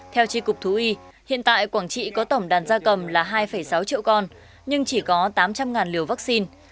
theo tri cục thú y hiện tại quảng trị có tổng đàn gia cầm là hai sáu triệu con nhưng chỉ có tám trăm linh liều vaccine